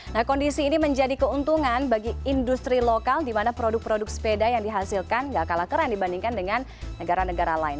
nah kondisi ini menjadi keuntungan bagi industri lokal di mana produk produk sepeda yang dihasilkan gak kalah keren dibandingkan dengan negara negara lain